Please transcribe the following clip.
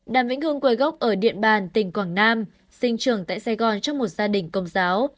đàm vĩnh hương quê gốc ở điện bàn tỉnh quảng nam sinh trường tại sài gòn trong một gia đình công giáo